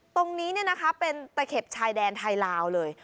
ตรงนี้เนี้ยนะคะเป็นตะเข็บชายแดนไทยลาวเลย